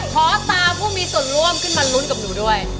ขอตามผู้มีส่วนร่วมขึ้นมาลุ้นกับหนูด้วย